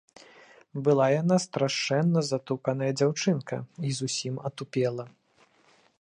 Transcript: Была яна страшэнна затуканая дзяўчынка і зусім атупела.